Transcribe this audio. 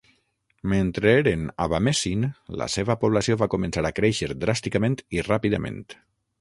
Mentre eren a Bamessin, la seva població va començar a créixer dràsticament i ràpidament.